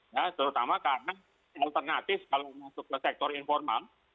ya terutama karena alternatif kalau masuk ke sektor informal